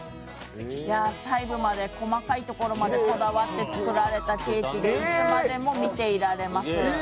細部まで細かいところまでこだわって作られたケーキでいつまでも見ていられます。